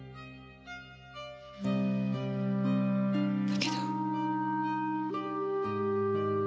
だけど。